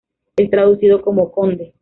Es traducido como conde.